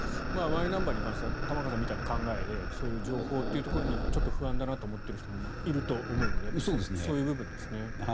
マイナンバーに関しては玉川さんみたいな考えでそういう情報というところにちょっと不安だなと思っている人もいると思うのでそういう部分ですね。